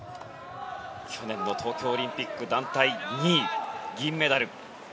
去年の東京オリンピック団体２位、銀メダル。